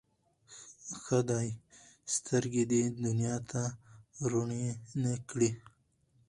ښه دی سترګي دي دنیا ته روڼي نه کړې